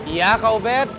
iya kak obed